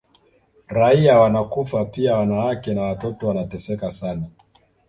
Raia wanakufa pia wanawake na watoto wanateseka sana